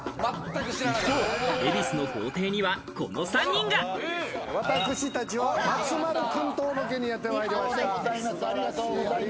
一方、恵比寿の豪邸には、私達は松丸君とロケにやってまいりました。